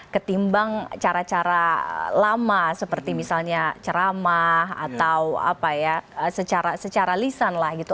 ketimbang cara cara lama seperti misalnya ceramah atau apa ya secara lisan lah gitu